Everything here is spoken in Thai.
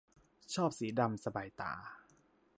ชอบสีดำ สบายตา